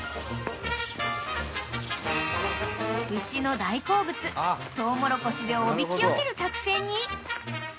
［牛の大好物とうもろこしでおびき寄せる作戦に］